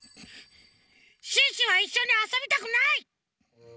シュッシュはいっしょにあそびたくない！